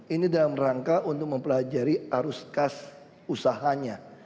ini dalam rangka untuk mempelajari arus kas usahanya